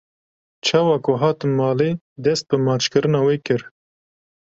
Çawa ku hatin malê dest bi maçkirina wê kir.